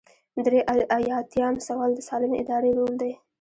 درې ایاتیام سوال د سالمې ادارې رول دی.